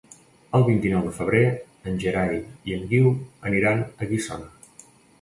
El vint-i-nou de febrer en Gerai i en Guiu aniran a Guissona.